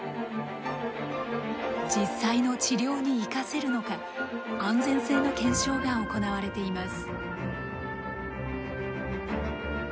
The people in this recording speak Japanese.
実際の治療に生かせるのか安全性の検証が行われています。